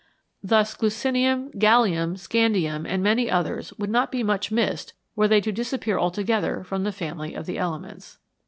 Thus glucinum, gallium, scandium, and many others would not be much missed were they to disappear altogether from the family of the elements.